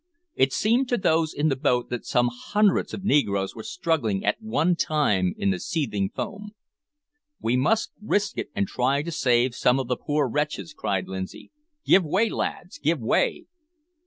It seemed to those in the boat that some hundreds of negroes were struggling at one time in the seething foam. "We must risk it, and try to save some of the poor wretches," cried Lindsay; "give way, lads, give way!"